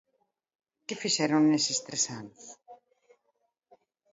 ¿Que fixeron neses tres anos?